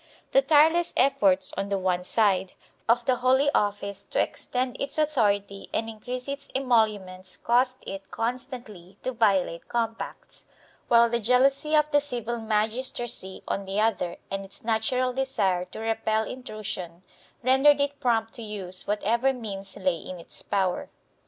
The tire less efforts, on the one side, of the Holy Office to extend its authority and increase its emoluments caused it constantly to violate compacts, while the jealousy of the civil magistracy on the other and its natural desire to repel intrusion rendered it prompt to use whatever means lay in its power.